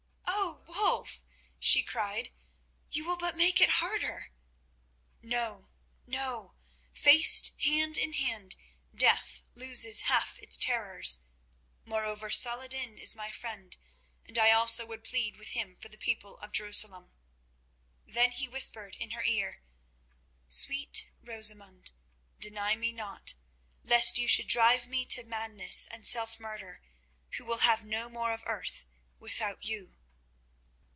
"Oh, Wulf!" she cried. "You will but make it harder." "No, no; faced hand in hand, death loses half its terrors. Moreover, Saladin is my friend, and I also would plead with him for the people of Jerusalem." Then he whispered in her ear, "Sweet Rosamund, deny me not, lest you should drive me to madness and self murder, who will have no more of earth without you."